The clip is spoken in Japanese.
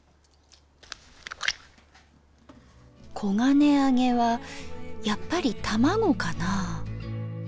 黄金あげはやっぱり卵かなあ。